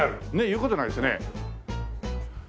言う事ないですね。